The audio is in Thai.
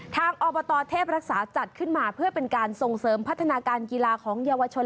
อบตเทพรักษาจัดขึ้นมาเพื่อเป็นการส่งเสริมพัฒนาการกีฬาของเยาวชน